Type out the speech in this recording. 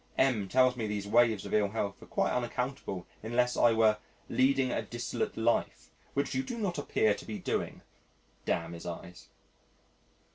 M tells me these waves of ill health are quite unaccountable unless I were "leading a dissolute life, which you do not appear to be doing." Damn his eyes.